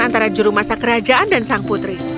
antara jurumasa kerajaan dan sang putri